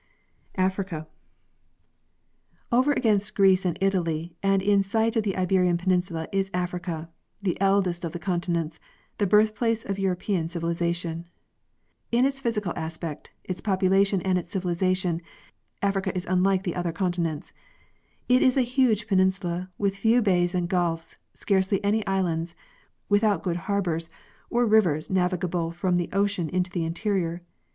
Africa. Over against Greece and Italy and in sight of the Iberian peninsula is Africa, the eldest of the continents, the birth place of European civilization. j In its physical aspect, its population and its civilization, Africa is unlike the other continents. It is a huge peninsula, with few bays and gulfs, scarcely any islands, without good harbors or rivers navigable from the ocean into the interior.